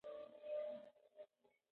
ښوونکي د زغم او حوصلې درس ورکوي.